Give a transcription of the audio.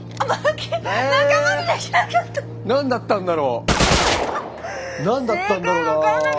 何だったんだろうな。